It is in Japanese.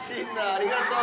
ありがとう！」